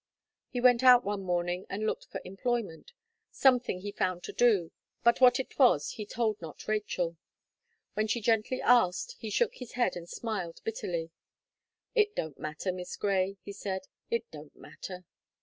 He went out one morning, and looked for employment. Something he found to do; but what it was he told not Rachel. When she gently asked, he shook his head and smiled bitterly. "It don't matter. Miss Gray," he said; "it don't matter."